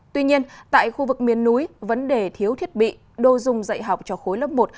tuy nhiên tại khu vực miền núi vấn đề thiếu thiết bị đô dung dạy học cho khối lớp một